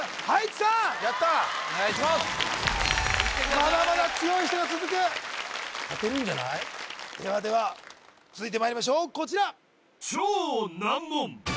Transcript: まだまだ強い人が続く勝てるんじゃない？ではでは続いてまいりましょうこちら